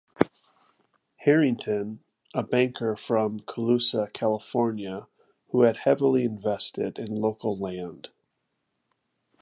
Harrington, a banker from Colusa, California who had heavily invested in local land.